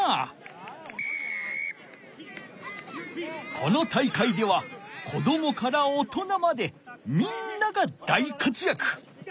この大会では子どもからおとなまでみんなが大活やく。